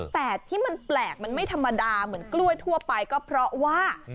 แต่ที่มันแปลกมันไม่ธรรมดาเหมือนกล้วยทั่วไปก็เพราะว่า